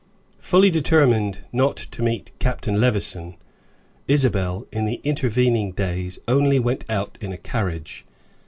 Fully determined not to meet Captain Levison, Isabel, in the intervening days, only went out in a carriage.